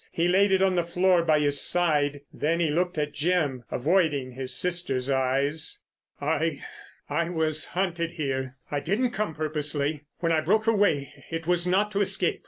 He laid it on the floor by his side, then he looked at Jim, avoiding his sister's eyes. "I—I was hunted here. I didn't come purposely. When I broke away it was not to escape....